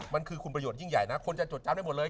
มันคือคุณประโยชนยิ่งใหญ่นะคนจะจดจำได้หมดเลย